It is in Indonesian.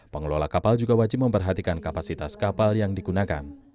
pengelola kapal juga wajib memperhatikan kapasitas kapal yang digunakan